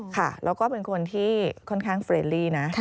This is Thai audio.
ค่ะแล้วก็เป็นคนที่ค่อนข้างเฟรนลี่นะ